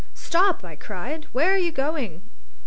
"Stop!" I cried. "Where are you going?"